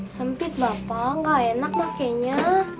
sempit bapak nggak enak pakenya